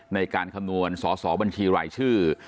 ในการคำนวณสอสอบัญชีรายชื่อ